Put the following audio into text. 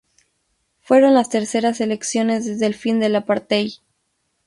Fueron las terceras elecciones desde el fin del apartheid.